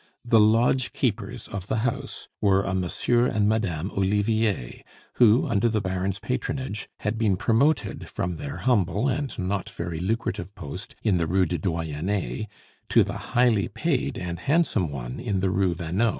The lodge keepers of the house were a Monsieur and Madame Olivier, who, under the Baron's patronage, had been promoted from their humble and not very lucrative post in the Rue du Doyenne to the highly paid and handsome one in the Rue Vanneau.